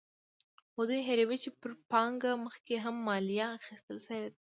خو دوی هېروي چې پر پانګه مخکې هم مالیه اخیستل شوې ده.